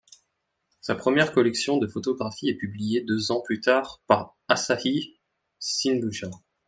Sa première collection de photographies est publiée deux ans plus tard par Asahi Shinbunsha.